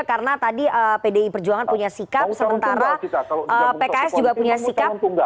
karena tadi pdi perjuangan punya sikap sementara pks juga punya sikap